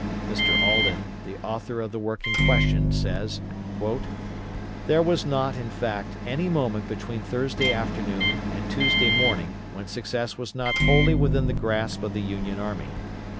Mr. Alden, the author of the work in question, says: "There was not, in fact, any moment between Thursday afternoon and Tuesday morning when success was not wholly within the grasp of the Union army.